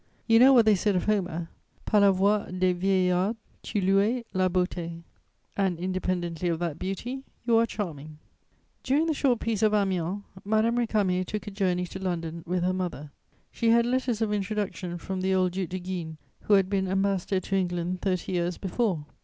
You know what they said of Homer: "Par la voix des vieillards tu louais la beauté. "And independently of that beauty you are charming." During the short Peace of Amiens, Madame Récamier took a journey to London with her mother. She had letters of introduction from the old Duc de Guignes, who had been Ambassador to England thirty years before.